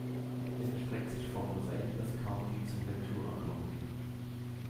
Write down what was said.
Es erstreckt sich vom Los Angeles County zum Ventura County.